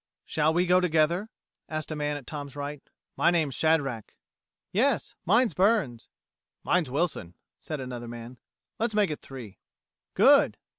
"Shall we go together?" asked a man at Tom's right. "My name's Shadrack." "Yes. Mine's Burns." "Mine's Wilson," said another man. "Let's make it three." "Good!"